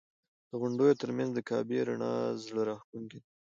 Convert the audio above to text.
د غونډیو تر منځ د کعبې رڼا زړه راښکونکې ده.